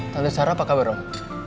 tante sarah apa kabar om